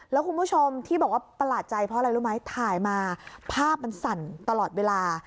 แล้วคุณผู้ชมที่บอกว่าประหลาดใจเพราะอะไรรู้ไหมถ่ายมาภาพมันสั่นตลอดเวลา